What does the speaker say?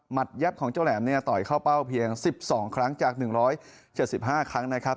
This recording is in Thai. ยับของเจ้าแหลมเนี่ยต่อยเข้าเป้าเพียง๑๒ครั้งจาก๑๗๕ครั้งนะครับ